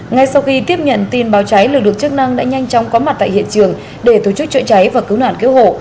ngay sau khi tiếp nhận tin báo cháy lực lượng chức năng đã nhanh chóng có mặt tại hiện trường để tổ chức chữa cháy và cứu nạn cứu hộ